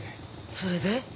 それで？